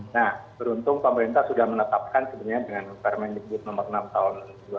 nah beruntung pemerintah sudah menetapkan sebenarnya dengan permendikbud nomor enam tahun dua ribu dua puluh